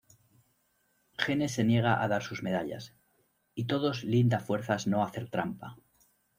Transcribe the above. Gene se niega a dar sus medallas y todos Linda fuerzas no hacer trampa.